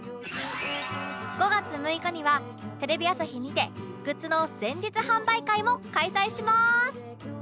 ５月６日にはテレビ朝日にてグッズの前日販売会も開催します！